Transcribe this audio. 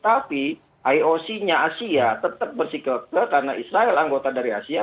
tapi ioc nya asia tetap bersikap karena israel anggota dari asia